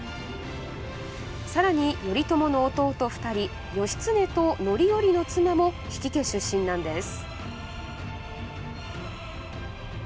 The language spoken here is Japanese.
さらに頼朝の弟２人、義経と範頼の妻も比企家出身なんです。